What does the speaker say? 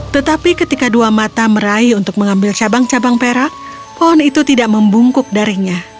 tetapi ketika dua mata meraih untuk mengambil cabang cabang perak pohon itu tidak membungkuk darinya